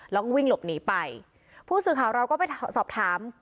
แล้วก็วิ่งหลบหนีไปผู้สื่อข่าวเราก็ไปสอบถาม